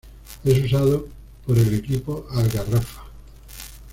Es usado por el equipo Al-Gharrafa.